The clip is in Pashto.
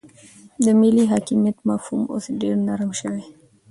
د ملي حاکمیت مفهوم اوس ډیر نرم شوی دی